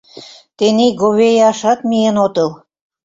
Тений говеяшат миен отыл...